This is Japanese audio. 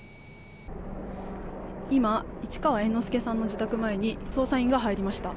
今、市川猿之助さんの自宅前に捜査員が入りました。